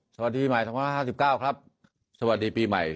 สวัสดีปีใหม่สองพันห้าร้อยห้าสิบเก้าครับสวัสดีปีใหม่